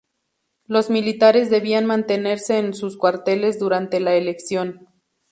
Los militares debían mantenerse en sus cuarteles durante la elección.